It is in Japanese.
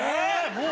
もう？